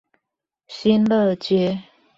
新樂街